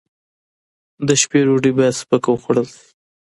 د شپې ډوډۍ باید سپکه وخوړل شي.